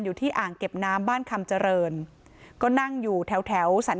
อยู่ที่อ่างเก็บน้ำบ้านคำเจริญก็นั่งอยู่แถวแถวสัน